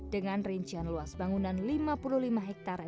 dengan rincian luas bangunan lima puluh lima hektare